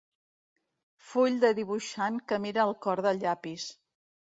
Full de dibuixant que mira el cor del llapis.